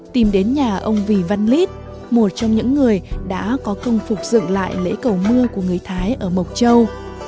tìm đến nhà ông vì văn lít một trong những người đã có công phục dựng lại lễ cầu mưa của người thái ở mộc châu